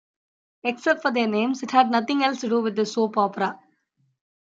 Except for their names it had nothing else to do with this soap opera.